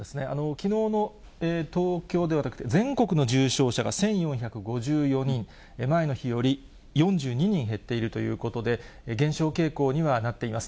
きのうの東京ではなくて、全国の重症者が１４５４人、前の日より４２人減っているということで、減少傾向にはなっています。